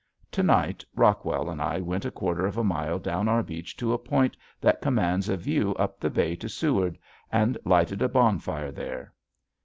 To night Rockwell and I went a quarter of a mile down our beach to a point that commands a view up the bay to Seward and lighted a bonfire there.